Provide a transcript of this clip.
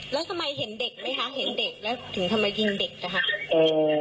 แล้วทำไมเห็นเด็กไหมคะเห็นเด็กแล้วถึงทำไมยิงเด็กนะคะ